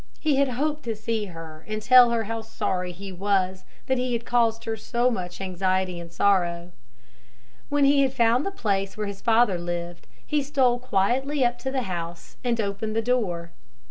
He had hoped to see her and tell her how sorry he was that he had caused her so much anxiety and sorrow. When he had found the place where his father lived he stole quietly up to the house and opened the door.